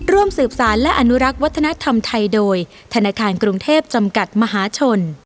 ร่วมสืบสารและอนุรักษ์วัฒนธรรมไทยโดยธนาคารกรุงเทพจำกัดมหาชน